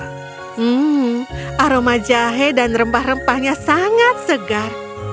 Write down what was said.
hmm aroma jahe dan rempah rempahnya sangat segar